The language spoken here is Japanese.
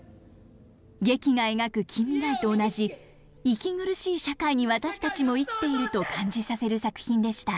劇が描く近未来と同じ息苦しい社会に私たちも生きていると感じさせる作品でした。